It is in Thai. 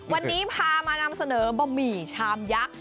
วันนี้พามานำเสนอบะหมี่ชามยักษ์